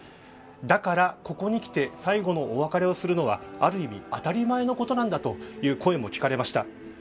だからここに来て最後のお別れをするのはある意味当たり前のことなんだという声も聞かれました。